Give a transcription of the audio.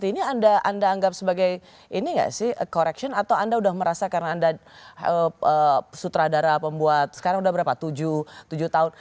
ini anda anggap sebagai ini nggak sih correction atau anda sudah merasa karena anda sutradara pembuat sekarang sudah berapa tujuh tahun